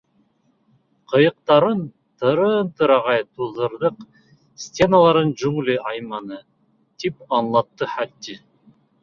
— Ҡыйыҡтарын тырым-тырағай туҙҙырҙыҡ, стеналарын джунгли айманы, — тип анлатты Хати.